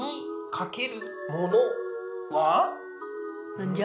何じゃ？